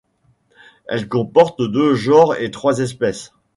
Elle comporte deux genres et trois espèces.